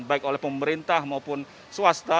baik oleh pemerintah maupun swasta